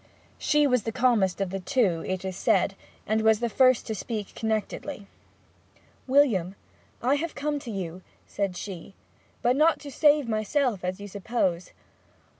She was the calmest of the two, it is said, and was the first to speak connectedly. 'William, I have come to you,' said she, 'but not to save myself as you suppose.